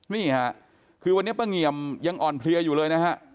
นี่ค่ะคือวันนี้ป้าเงี่ยมยังอ่อนเพลียอยู่เลยนะฮะ